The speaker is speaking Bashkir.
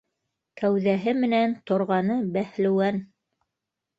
Кәүҙәһе менән торғаны бәһлеүән.